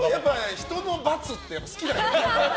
人の罰って好きだね。